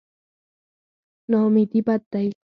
نااميدي بد دی.